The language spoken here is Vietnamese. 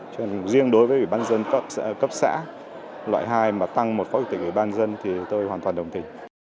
cho nên riêng đối với ủy ban dân cấp xã loại hai mà tăng một phó chủ tịch ủy ban dân thì tôi hoàn toàn đồng tình